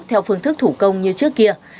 theo phương thức thủ công như trước kia